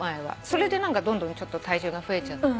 それで何かどんどんちょっと体重が増えちゃって。